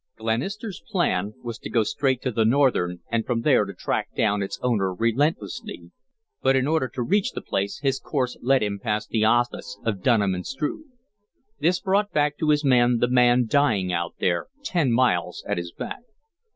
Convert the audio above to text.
Glenister's plan was to go straight to the Northern and from there to track down its owner relentlessly, but in order to reach the place his course led him past the office of Dunham & Struve. This brought back to his mind the man dying out there ten miles at his back.